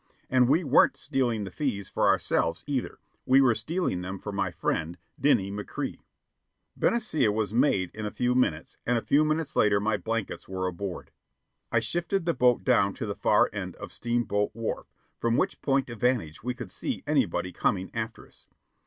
And we weren't stealing the fees for ourselves, either; we were stealing them for my friend, Dinny McCrea. Benicia was made in a few minutes, and a few minutes later my blankets were aboard. I shifted the boat down to the far end of Steamboat Wharf, from which point of vantage we could see anybody coming after us.